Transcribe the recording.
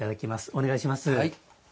お願いします。